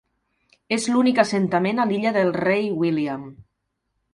És l'únic assentament a l'Illa del Rei William.